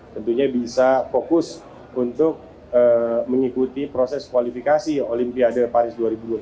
tentunya bisa fokus untuk mengikuti proses kualifikasi olimpiade paris dua ribu dua puluh